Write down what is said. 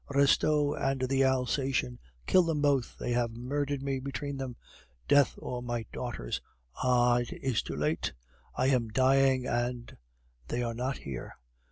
Restaud and the Alsatian, kill them both! They have murdered me between them!... Death or my daughters!... Ah! it is too late, I am dying, and they are not here!...